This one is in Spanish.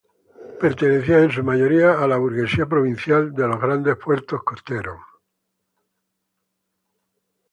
Pertenecían, en su mayoría, a la burguesía provincial de los grandes puertos costeros.